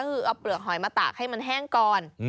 ก็คือเอาเปลือกหอยมาตากให้มันแห้งก่อน